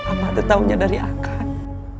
apathe taunya dari akang